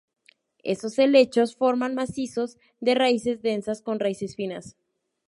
Esos helechos forman macizos de raíces densas, con raíces finas.